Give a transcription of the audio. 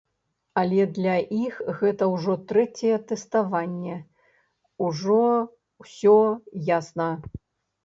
Але для іх гэта ўжо трэцяе тэставанне, ужо ўсё ясна.